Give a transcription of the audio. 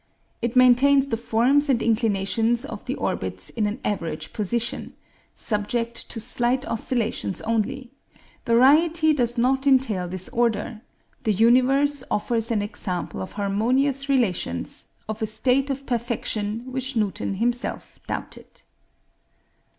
It maintains the forms and inclinations of the orbits in an average position, subject to slight oscillations only; variety does not entail disorder; the universe offers an example of harmonious relations, of a state of perfection which Newton himself doubted.